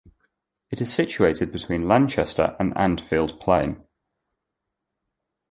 It is situated between Lanchester and Annfield Plain.